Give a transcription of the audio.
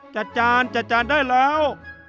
จานจัดจานได้แล้ว